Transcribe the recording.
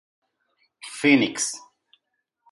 Fênix